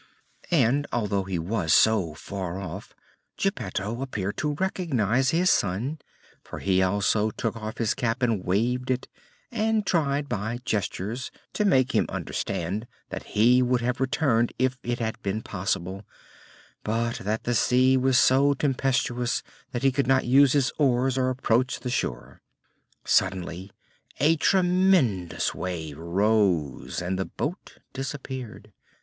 And, although he was so far off, Geppetto appeared to recognize his son, for he also took off his cap and waved it, and tried by gestures to make him understand that he would have returned if it had been possible, but that the sea was so tempestuous that he could not use his oars or approach the shore. Suddenly a tremendous wave rose and the boat disappeared.